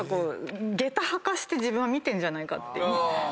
げた履かして自分は見てんじゃないかって。